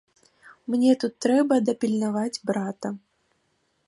Мне тут трэба дапільнаваць брата.